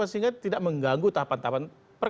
sehingga tidak mengganggu tahapan tahapan